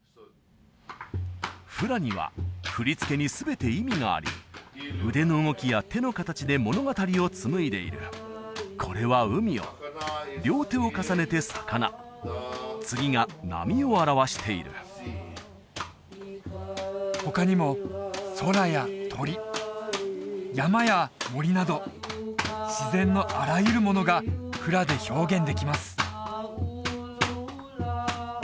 フラには振り付けに全て意味があり腕の動きや手の形で物語を紡いでいるこれは海を両手を重ねて魚次が波を表している他にも空や鳥山や森など自然のあらゆるものがフラで表現できます